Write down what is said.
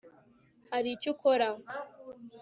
hari icyo ukora